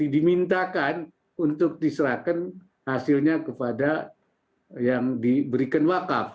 dimintakan untuk diserahkan hasilnya kepada yang diberikan wakaf